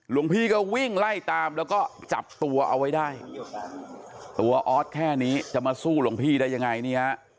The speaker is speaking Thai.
หลวงพี่ก็วิ่งไล่ตามแล้วก็จับตัวเอาไว้ได้ตัวออสแค่นี้จะมาสู้หลวงพี่ได้ยังไงนี่ฮะ